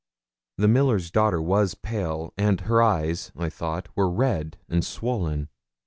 The miller's daughter was pale, and her eyes, I thought, were red and swollen.